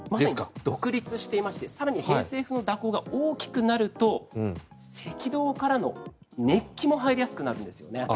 独立していまして更に偏西風の蛇行が大きくなると赤道からの熱気も入りやすくなるんですよね。